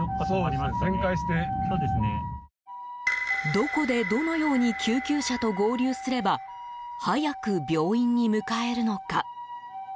どこでどのように救急車と合流すれば早く病院に向かえるのか。